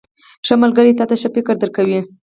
• ښه ملګری تا ته ښه فکر درکوي.